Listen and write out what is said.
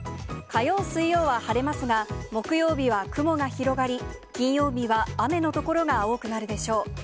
火曜、水曜は晴れますが、木曜日は雲が広がり、金曜日は雨の所が多くなるでしょう。